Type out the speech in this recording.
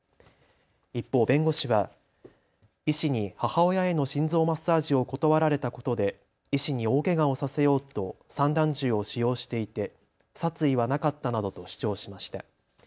一方、弁護士は医師に母親への心臓マッサージを断られたことで医師に大けがをさせようと散弾銃を使用していて殺意はなかったなどと主張しました。